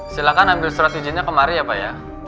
silahkan ambil surat izinnya kemari ya pak ya